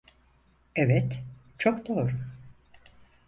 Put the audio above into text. Evet, çok doğru.